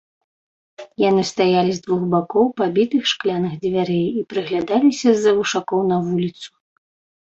Яны стаялі з двух бакоў пабітых шкляных дзвярэй і прыглядаліся з-за вушакоў на вуліцу.